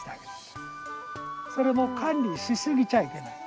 それも管理しすぎちゃいけない。